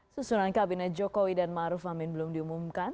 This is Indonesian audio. susunan kabinet jokowi dan maruf amin belum diumumkan